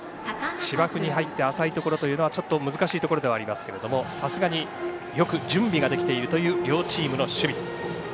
芝生に入って浅いところというのはちょっと難しいところですがさすがによく準備ができているという両チームの守備。